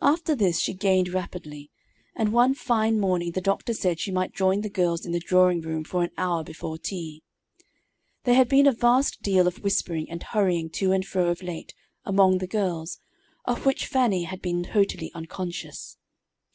After this she gained rapidly, and one fine morning the doctor said she might join the girls in the drawing room for an hour before tea. There had been a vast deal of whispering and hurrying to and fro of late, among the girls, of which Fannie had been totally unconscious.